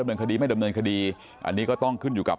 อย่าพูดคนเดียวขอดีครับ